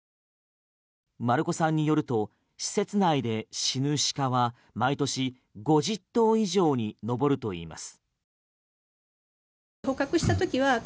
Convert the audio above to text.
丸子さんによると施設内で死ぬ鹿は毎年５０頭以上に上るといいます。